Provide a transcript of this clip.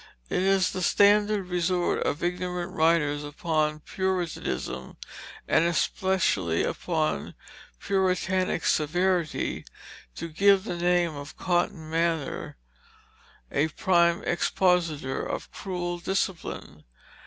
It is the standard resort of ignorant writers upon Puritanism, and especially upon Puritanic severity, to give the name of Cotton Mather as a prime expositor of cruel discipline.